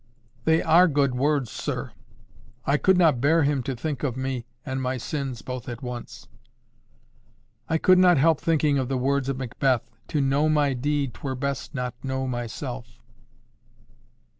"They ARE good words, sir. I could not bear Him to think of me and my sins both at once." I could not help thinking of the words of Macbeth, "To know my deed, 'twere best not know myself."